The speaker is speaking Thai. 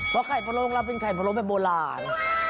เพราะไข่พะโลกเราเป็นไข่พะโลแบบโบราณ